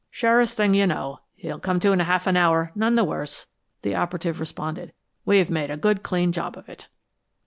"Surest thing you know. He'll come to in half an hour, none the worse," the operative responded. "We made a good clean job of it."